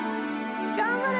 頑張れ！